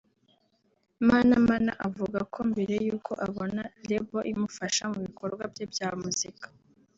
Manamana avuga ko mbere y’uko abona Label imufasha mu bikorwa bye bya muzika